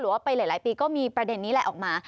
หรือว่าไปหลายปีมีประเด็นนี้ออกมา